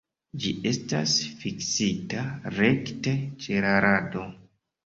Ĝi estas fiksita rekte ĉe la rado.